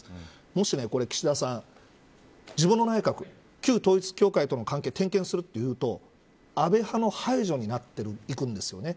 もし岸田さん、自分の内閣旧統一教会との関係を点検するというと安倍派の排除になっていくんですよね。